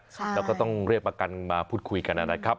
แล้วก็ต้องเรียกประกันมาพูดคุยกันนะครับ